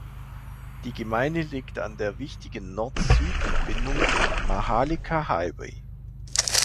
Die Gemeinde liegt an der wichtigen Nord-Süd-Verbindung, dem Maharlika Highway.